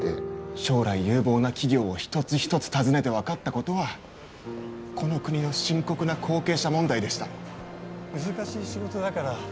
将来有望な企業を一つ一つ訪ねて分かったことはこの国の深刻な後継者問題でした難しい仕事だから